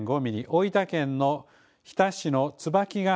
大分県の日田市の椿ヶ